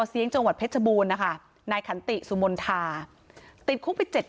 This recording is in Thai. เสียงจังหวัดเพชรบูรณ์นะคะนายขันติสุมนทาติดคุกไปเจ็ด